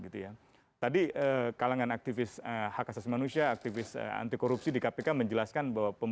tadi kalangan aktivis hak asasi manusia aktivis anti korupsi di kpk menjelaskan bahwa